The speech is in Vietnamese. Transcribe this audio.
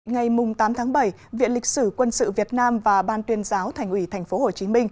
ngày tám tháng bảy viện lịch sử quân sự việt nam và ban tuyên giáo thành ủy tp hcm